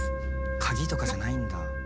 鍵とかじゃないんだ。